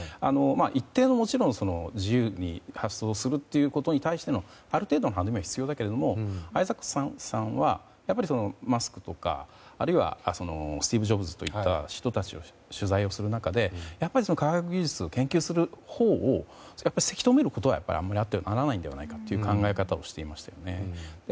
一定の自由に発想するということに対してのある程度の歯止めは必要だけどもアイザックソンさんはマスクとかあるいはスティーブ・ジョブズといった人たちを取材する中で科学技術を研究するほうをせき止めることはあってはならないのではないかという考え方をしていました。